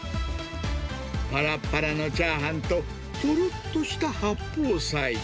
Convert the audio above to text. ぱらっぱらのチャーハンと、とろっとした八宝菜。